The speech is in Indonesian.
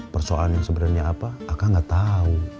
persoalan yang sebenarnya apa akan gak tahu